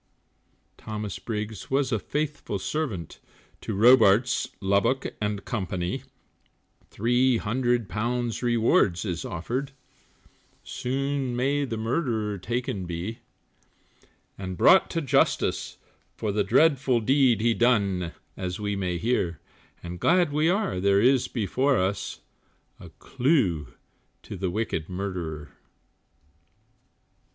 Thomas Briggs was a faithful servant, To Robarts, Lubbock and Company, Three hundred pounds rewards is offered, Soon may the murderer taken be, And brought to justice for the dreadful Deed he done, as we may hear, And glad we are there is before us, A clue to the wicked murderer.